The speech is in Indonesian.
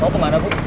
kau kemana bu